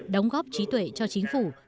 đóng góp trí tuệ cho chính phủ